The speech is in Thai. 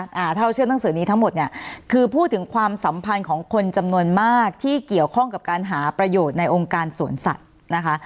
ถ้าเราเชื่อหนังสือนี้ทั้งหมดเนี่ยคือพูดถึงความสัมพันธ์ของคนจำนวนมากที่เกี่ยวข้องกับการหาประโยชน์ในองค์การสวนสัตว์นะคะ